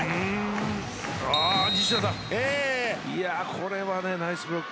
これはナイスブロック。